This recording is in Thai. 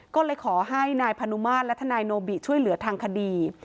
ก็เลยขอให้นายพนุมาตรและทนายโนบิช่วยเหลือทางคดี